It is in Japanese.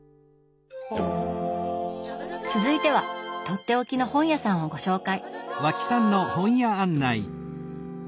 続いてはとっておきの本屋さんをご紹介。